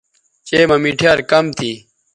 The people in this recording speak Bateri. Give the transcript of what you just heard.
چئے مہ مِٹھیار کم تھی